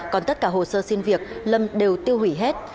còn tất cả hồ sơ xin việc lâm đều tiêu hủy hết